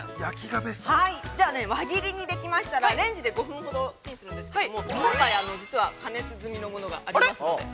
じゃあ、輪切りにできましたら、レンジで５分ほどチンするんですけれども、今回は加熱済みのものがありますので。